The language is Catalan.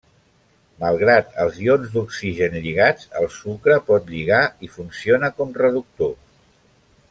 Malgrat els ions d'oxigen lligats, el sucre pot lligar i funciona com reductor.